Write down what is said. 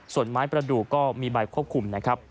ส่วนไม้ประดูกก็มีใบควบคุมนะครับ